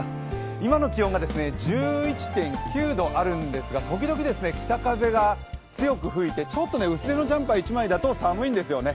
今の気温が１１．９度あるんですが時々北風が強く吹いてちょっと薄手のジャンパー１枚だと寒いんですよね。